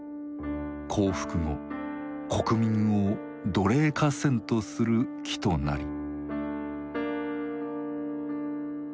「降伏後国民を奴隷化せんとする企図なり」。